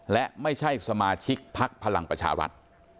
และไม่ใช่สมาชิกพักพลังประชารัฐ